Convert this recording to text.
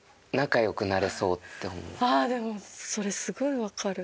ああでもそれすごいわかる。